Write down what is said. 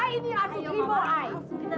i ini yang harus keribu i